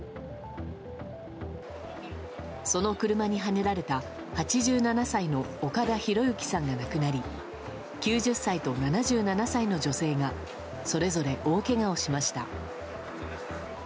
その車にはねられた、８７歳の岡田博行さんが亡くなり、９０歳と７７歳の女性が、それぞれ大けがをしました。